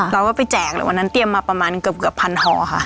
เราก็ไปแจกเลยวันนั้นเตรียมมาประมาณเกือบพันห่อค่ะ